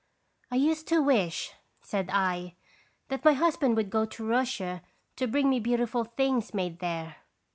" I used to wish,'* said 1, " that my husband would go to Russia to bring me beautiful things made there."